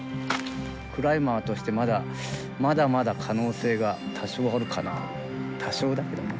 「クライマーとしてまだまだ可能性が多少あるかな」と多少だけどね